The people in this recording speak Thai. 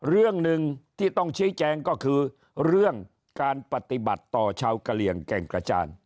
เรื่องหนึ่งที่ต้องชี้แจงก็คือเรื่องการปฏิบัติต่อชาวกะเหลี่ยงแก่งกระจาน